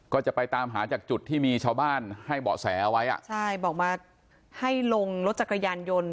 ก็จะไปตามหาจากจุดที่มีชาวบ้านให้เบาะแสเอาไว้อ่ะใช่บอกมาให้ลงรถจักรยานยนต์